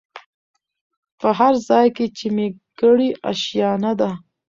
په هرځای کي چي مي کړې آشیانه ده